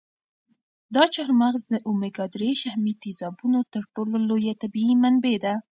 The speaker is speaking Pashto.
دا چهارمغز د اومیګا درې شحمي تېزابو تر ټولو لویه طبیعي منبع ده.